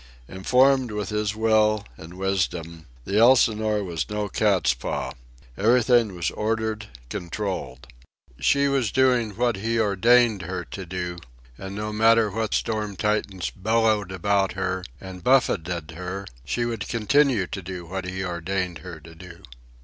Informed with his will and wisdom, the Elsinore was no cat's paw. Everything was ordered, controlled. She was doing what he ordained her to do, and, no matter what storm Titans bellowed about her and buffeted her, she would continue to do what he ordained her to do.